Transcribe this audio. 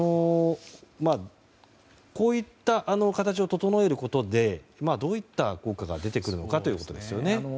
こういった形を整えることでどういった効果が出てくるのかということですよね。